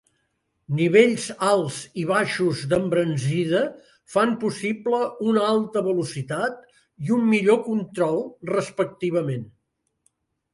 Nivells alts i baixos d'embranzida fan possible una alta velocitat i un millor control, respectivament.